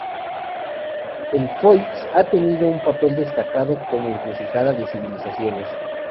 El Foix ha tenido un papel destacado como encrucijada de civilizaciones.